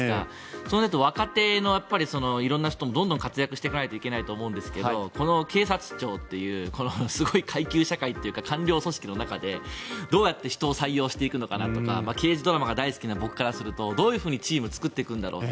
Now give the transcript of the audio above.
そうなると若手の色んな人どんどん活躍していかないといけないと思うんですけどこの警察庁というすごい階級社会というか官僚組織の中でどうやって人を採用していくのかとか刑事ドラマが大好きな僕からするとどういうふうにチームを作っていくんだろう。